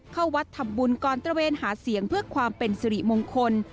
เข้าวัดทำบุญก่อนตระเวนหาเสียงเพื่อความเป็นสิริมงคล